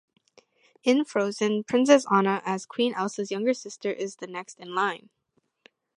In "Frozen", Princess Anna, as Queen Elsa's younger sister, is the next in line.